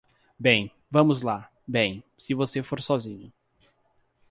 Bem, vamos lá, bem, se você for sozinho.